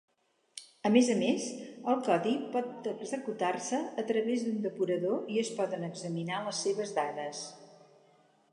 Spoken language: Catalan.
A més a més, el codi pot executar-se a través d'un depurador i es poden examinar les seves dades.